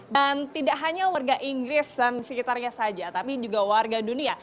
dan tidak hanya warga inggris dan sekitarnya saja tapi juga warga dunia